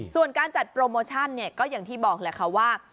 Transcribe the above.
ส่วนการจัดโปรโมชั่นเนี่ยก็อย่างที่บอกแหละค่ะว่า